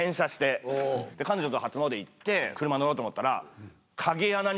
彼女と初詣行って車乗ろうと思ったら。